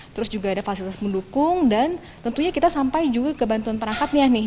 terus juga ada fasilitas pendukung dan tentunya kita sampai juga ke bantuan perangkatnya nih